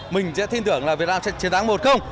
mình sẽ tin tưởng là việt nam sẽ chiến thắng một không